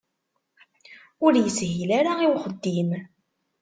Ur ishil ara i uxeddim.